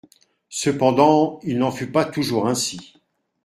Cependant Il n’en fut pas toujours ainsi…